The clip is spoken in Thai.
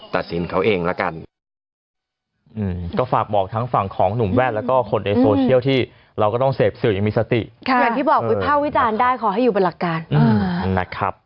ตัดสินเขาเองละกัน